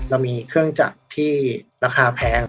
เรามีเครื่องจักรที่ราคาแพง